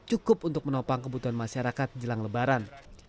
cukup untuk menopang kebutuhan masyarakat jelang lebaran